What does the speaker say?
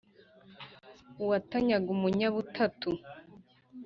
uwatanyaga umunyabutatu